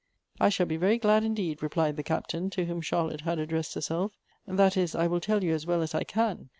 " I shall be very glad indeed," replied the Captain, to whom Charlotte had addressed herself. " That is I will tell you as well as I can.